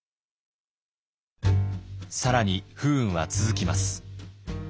更に不運は続きます。